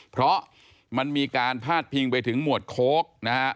เพราะมันมีการพาดพิงไปถึงหมวดโค้กนะฮะ